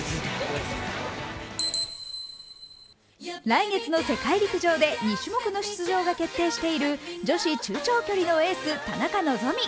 来月の世界陸上で２種目の出場が決定している女子中距離のエース、田中希実。